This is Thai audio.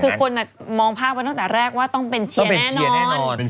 คือคนมองภาพกันตั้งแต่แรกว่าต้องเป็นเชียร์แน่นอน